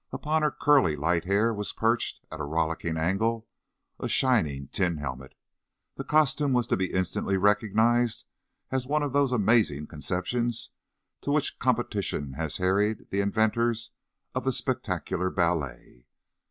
Upon her curly, light hair was perched, at a rollicking angle, a shining tin helmet. The costume was to be instantly recognized as one of those amazing conceptions to which competition has harried the inventors of the spectacular ballet.